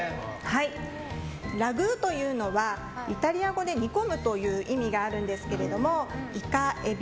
ラグーというのはイタリア語で煮込むという意味があるんですがイカ、エビ、